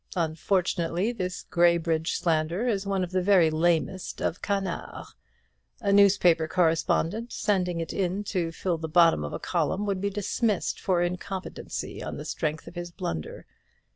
Unfortunately, this Graybridge slander is one of the very lamest of canards. A newspaper correspondent sending it in to fill the bottom of a column would be dismissed for incompetency, on the strength of his blunder.